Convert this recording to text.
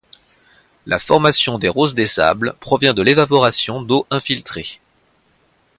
La formation des roses des sables provient de l'évaporation d'eau infiltrée.